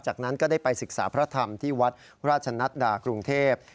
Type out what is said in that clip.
จากนั้นก็ได้ไปศึกษาพระธรรมที่วัดราชนัดดากรุงเทพ